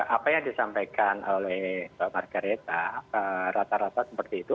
apa yang disampaikan oleh margaretha rata rata seperti itu